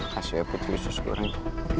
kasih ya putri sus goreng